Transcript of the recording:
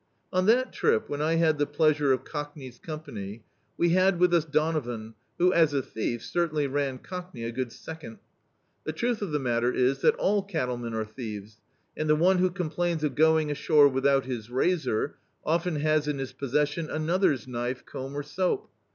On that trip, when I had the pleasure of Cockney's company, we had with tis Donovan who, as a thief, certainly ran Cockney a good second. The truth of the matter is that all cattlemen are thieves, and the one who conplains of going ashore without his razor, often has in his possession another's knife, comb or soap.